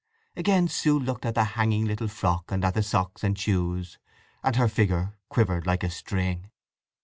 Again Sue looked at the hanging little frock and at the socks and shoes; and her figure quivered like a string.